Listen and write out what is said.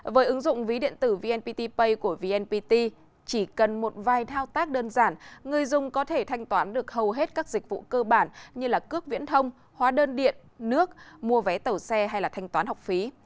với ứng dụng ví điện tử vnpt pay của vnpt chỉ cần một vài thao tác đơn giản người dùng có thể thanh toán được hầu hết các dịch vụ cơ bản như cước viễn thông hóa đơn điện nước mua vé tàu xe hay thanh toán học phí